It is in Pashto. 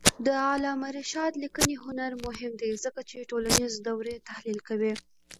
د علامه رشاد لیکنی هنر مهم دی ځکه چې ټولنیز دورې تحلیل کوي.